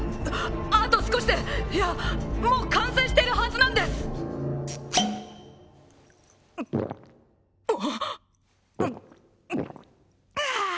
あと少しでいやもう完成しているはずなんですああ！